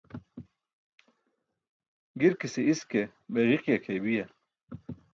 Girkise iske be ġiiki akʰeybiya?